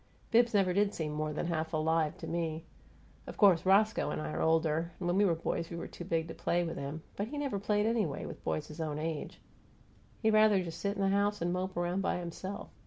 Bibbs never did seem more than half alive to me. Of course Roscoe and I are older, and when we were boys we were too big to play with him, but he never played anyway, with boys his own age. He'd rather just sit in the house and mope around by himself.